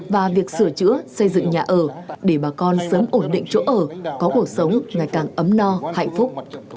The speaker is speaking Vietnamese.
và việc sửa chữa xây dựng nhà ở để bà con sớm ổn định chỗ ở có cuộc sống ngày càng ấm no hạnh phúc